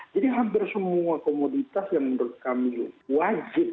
jadi hampir semua komoditas yang menurut kami wajib